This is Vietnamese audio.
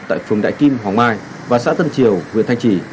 tại phường đại kim hoàng mai và xã tân triều huyện thanh trì